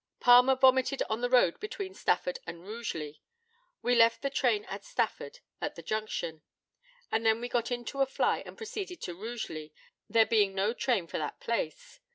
Palmer vomited on the road between Stafford and Rugeley. We left the train at Stafford, at the junction. We then got into a fly to proceed to Rugeley, there being no train for that place.